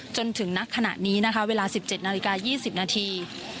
จนถึงนักขณะนี้นะคะเวลา๑๗นาฬิกา๒๐นาที